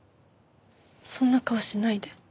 そんな顔しないで。